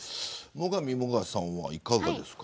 最上もがさんはいかがですか。